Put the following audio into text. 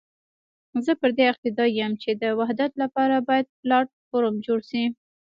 زه پر دې عقيده یم چې د وحدت لپاره باید پلاټ فورم جوړ شي.